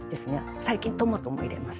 最近トマトも入れます。